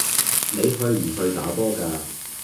你去唔去打波㗎